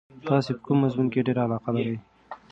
تاسې په کوم مضمون کې ډېره علاقه لرئ؟